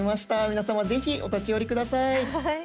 皆様、ぜひお立ち寄りください。